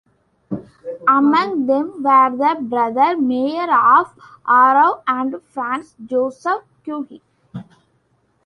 Among them were the brother Meyer of Aarau and Franz Joseph Hugi.